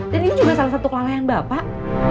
dan ini juga salah satu kelalaian bapak